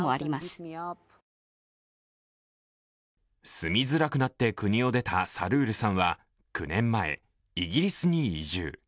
住みづらくなって国を出たサルールさんは９年前、イギリスに移住。